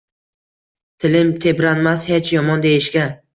Tilim tebranmas hech yomon deyishga.